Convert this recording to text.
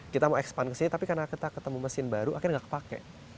kita mau ekspan kesini tapi karena kita ketemu mesin baru akhirnya gak kepake